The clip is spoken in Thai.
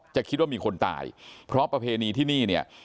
จะคิดว่ามีคนตายเพราะประเพณีที่นี่เนี่ย